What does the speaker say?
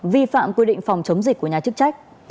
vi phạm quy định phòng chống dịch của nhà chức trách